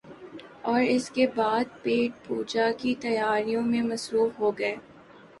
اوراس کے بعد پیٹ پوجا کی تیاریوں میں مصروف ہو گئے ۔